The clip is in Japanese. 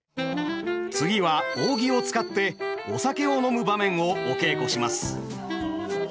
次は扇を使ってお酒を飲む場面をお稽古します。